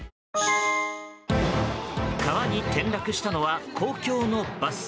川に転落したのは公共のバス。